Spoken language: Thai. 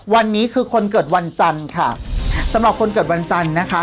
วันนี้คือคนเกิดวันจันทร์ค่ะสำหรับคนเกิดวันจันทร์นะคะ